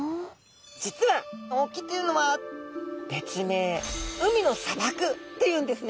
実は沖というのは別名「海の砂漠」っていうんですね。